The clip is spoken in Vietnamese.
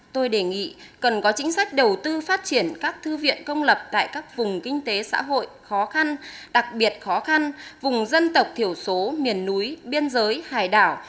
tôi đề nghị cần có chính sách đầu tư phát triển các thư viện công lập tại các vùng kinh tế xã hội khó khăn đặc biệt khó khăn vùng dân tộc thiểu số miền núi biên giới hải đảo